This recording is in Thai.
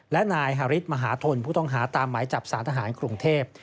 และนายฮาริสมหาทนผู้ต้องหาตามหมายจับสารทหารกรุงเทพ